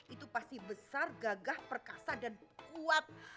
itu pasti besar gagah perkasa dan kuat